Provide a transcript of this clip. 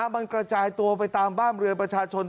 มันกระจายตัวไปตามบ้านเรือนประชาชน